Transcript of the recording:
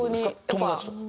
友達とか？